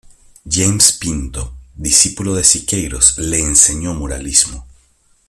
James Pinto -discípulo de Siqueiros- le enseñó muralismo.